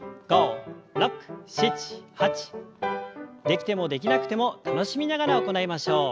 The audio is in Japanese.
できてもできなくても楽しみながら行いましょう。